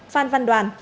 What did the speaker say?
phan văn đoàn